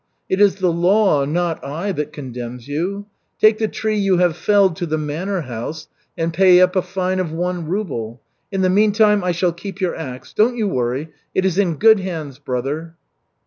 It is the law, not I, that condemns you. Take the tree you have felled to the manor house and pay up a fine of one ruble. In the meantime, I shall keep your axe. Don't you worry, it is in good hands, brother."